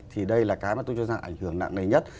thì đây là cái mà tôi cho rằng ảnh hưởng nặng nề nhất